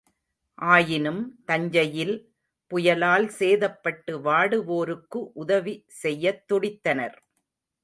ஆயினும், தஞ்சையில், புயலால் சேதப்பட்டு வாடுவோருக்கு உதவி செய்யத் துடித்தனர்.